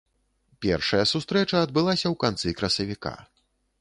Першая сустрэча адбылася ў канцы красавіка.